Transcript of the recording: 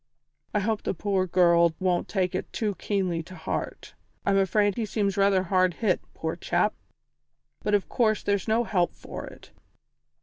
I hope the poor girl won't take it too keenly to heart. I'm afraid he seems rather hard hit, poor chap, but of course there's no help for it.